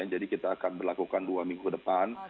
kita akan berlakukan dua minggu depan